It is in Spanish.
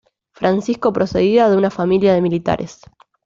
Francisco procedía de una familia de militares.